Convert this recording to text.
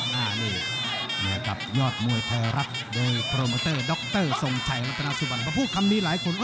นี่กับยอดมวยไทยรัฐโดยโครมเมอเตอร์ด๊อกเตอร์สงชัยนัตนาสุบันพระผู้คำดีหลายคน